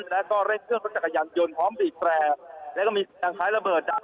และก็เล่นเครื่องเครื่องถ้าอย่างยนต์พร้อมตีแสนและก็มีการค้าระเบิดจาก